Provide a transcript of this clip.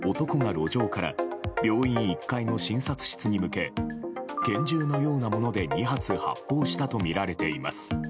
路上から病院１階の診察室に向け拳銃のようなもので２発発砲したとみられています。